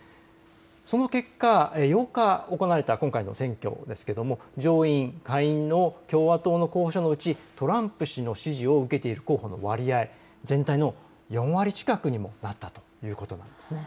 その結果、８日に行われた今回の選挙ですが上院、下院の共和党の候補者のうちトランプ氏の支持を受けている候補の割合、全体の４割近くにもなったということなんです。